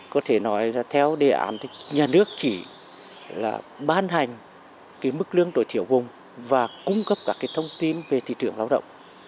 có thể nói là theo đề án thì nhà nước chỉ là ban hành mức lương tối thiểu vùng và cung cấp các thông tin về thị trường lao động